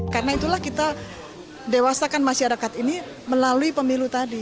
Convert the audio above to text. karena itulah kita dewasakan masyarakat ini melalui pemilu tadi